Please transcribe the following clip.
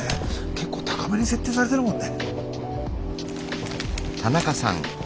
結構高めに設定されてるもんね。